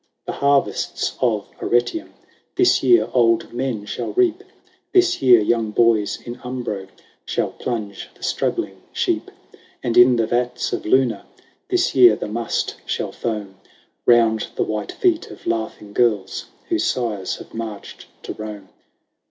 VIII. The harvests of Arretium, This year, old men shall reap ; This year, young boys in Umbro Shall plunge the struggling sheep ; And in the vats of Luna, This year, the must shall foam Round the white feet of laughing girls. Whose sires have marched to Rome.